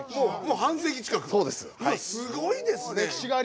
半世紀近くすごいですね。